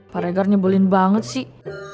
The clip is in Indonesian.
pak regar nyebelin banget sih